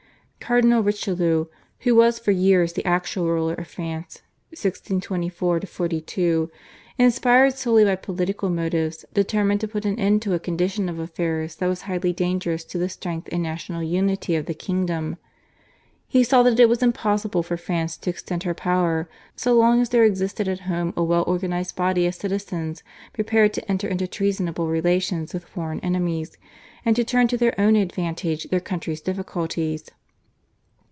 Cardinal Richelieu who was for years the actual ruler of France (1624 42), inspired solely by political motives, determined to put an end to a condition of affairs that was highly dangerous to the strength and national unity of the kingdom. He saw that it was impossible for France to extend her power so long as there existed at home a well organised body of citizens prepared to enter into treasonable relations with foreign enemies, and to turn to their own advantage their country's difficulties.